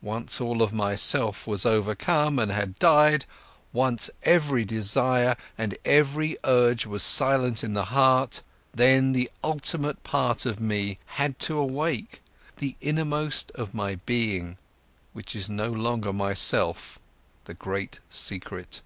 Once all of my self was overcome and had died, once every desire and every urge was silent in the heart, then the ultimate part of me had to awake, the innermost of my being, which is no longer my self, the great secret.